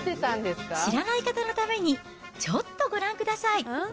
知らない方のために、ちょっとご覧ください。